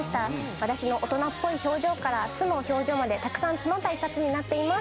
私の大人っぽい表情から素の表情までたくさん詰まった一冊になっています。